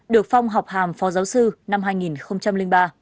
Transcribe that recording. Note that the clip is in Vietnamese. được phong học hàm phó giáo sư năm hai nghìn ba